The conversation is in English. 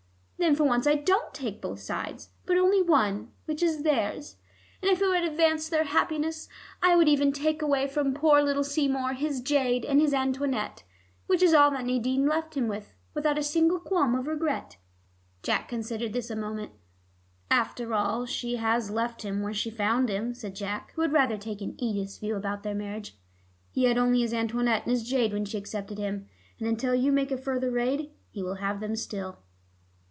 Then for once I don't take both sides, but only one, which is theirs, and if it would advance their happiness, I would even take away from poor little Seymour his jade and his Antoinette, which is all that Nadine left him with, without a single qualm of regret." Jack considered this a moment. "After all, she has left him where she found him," said Jack, who had rather taken Edith's view about their marriage. "He had only his Antoinette and his jade when she accepted him, and until you make a further raid, he will have them still."